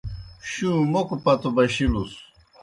شُوں موکوْ پتو بشِلُس۔